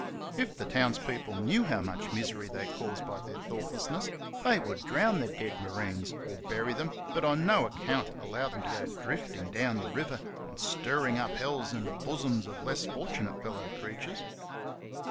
If the townspeople knew how much misery they caused by their thoughtlessness they would drown their dead marines, or bury them, but on no account allow them to go drifting down the river, and stirring up hells in the bosoms of less fortunate fellow creatures.